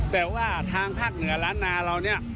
แต่ว่าทางภาคเหนือล้านนาเราเนี่ย